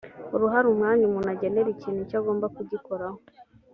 uruhare umwanya umuntu agenera ikintu icyo agomba kugikoraho